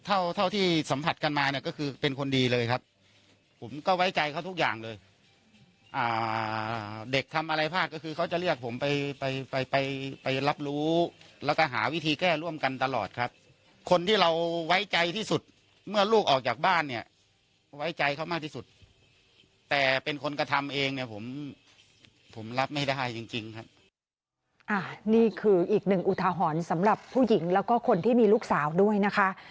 นี่คืออีกหนึ่งอุทหรณ์สำหรับผู้หญิงแล้วก็คนที่มีลูกสาวด้วยนะคะ